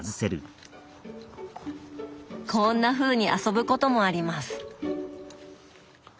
こんなふうに遊ぶこともあります。